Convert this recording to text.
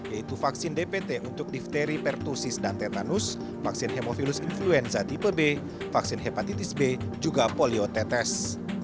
yaitu vaksin dpt untuk difteri pertusis dan tetanus vaksin hemofilus influenza tipe b vaksin hepatitis b juga poliotetes